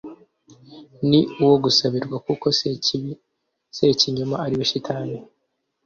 ni uwo gusabirwa kuko Sekibi, Sekinyoma ariwe Shitani